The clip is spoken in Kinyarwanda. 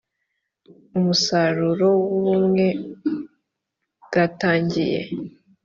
umusaruro w ubumwe bwatangiye